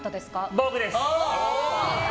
僕です！